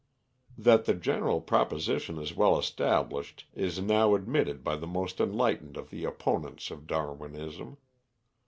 That the general proposition is well established is now admitted by the most enlightened of the opponents of Darwinism.